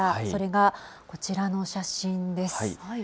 それがこちらの写真です。